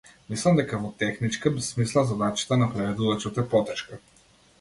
Мислам дека во техничка смисла задачата на преведувачот е потешка.